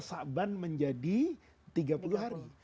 sakban menjadi tiga puluh hari